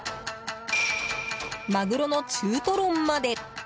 マグロの中トロまで。